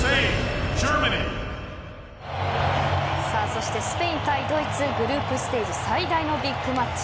そしてスペイン対ドイツグループステージ最大のビッグマッチ。